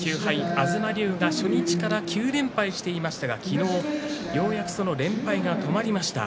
東龍が初日から９連敗していましたが昨日、ようやくその連敗が止まりました。